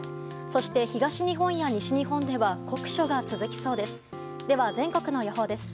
そして東日本や西日本では酷暑が続きそうです。